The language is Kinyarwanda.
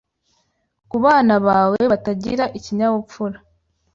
kubana bawe batagira ikinyabupfura